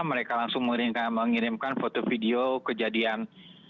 mereka langsung mengirimkan foto video kejadian